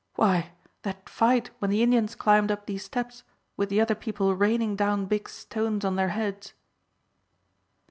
"Why, that fight when the Indians climbed up these steps, with the other people raining down big stones on their heads."